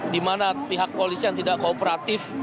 dimana pihak polisi yang tidak kooperatif